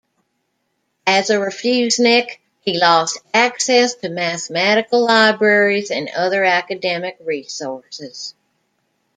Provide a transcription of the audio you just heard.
As a refusenik, he lost access to mathematical libraries and other academic resources.